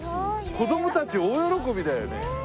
子供たち大喜びだよね。